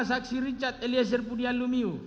saksi richard eliezer pudian lumiu